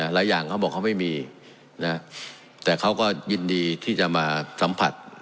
หลายอย่างเขาบอกเขาไม่มีนะแต่เขาก็ยินดีที่จะมาสัมผัส